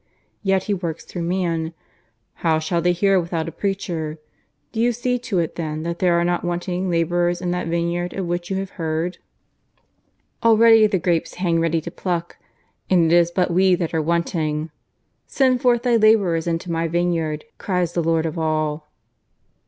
Yet He works through man. 'How shall they hear without a preacher?' Do you see to it then that there are not wanting labourers in that vineyard of which you have heard. Already the grapes hang ready to pluck, and it is but we that are wanting. ... Send forth then labourers into My vineyard, cries the Lord of all."